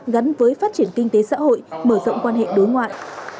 gắn với phát triển kinh tế xã hội mở rộng quan hệ đối ngoại